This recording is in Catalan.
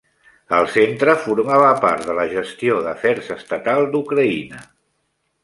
El centre formava part de la gestió d'afers estatal d'Ucraïna.